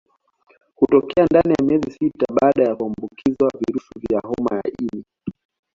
Hutokea ndani ya miezi sita baada kuambukizwa virusi vya homa ya ini